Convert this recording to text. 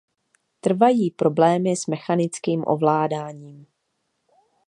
Trvají problémy s mechanickým ovládáním.